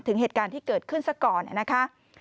ถึงเหตุการณ์ที่เกิดขึ้นซะก่อนนะคะ